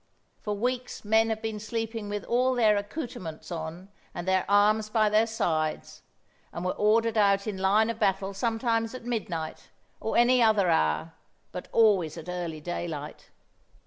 For weeks men have been sleeping with all their accouterments on and their arms by their sides, and were ordered out in line of battle sometimes at midnight, or any other hour; but always at early daylight.